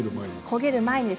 焦げる前に。